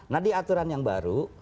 nah di aturan yang baru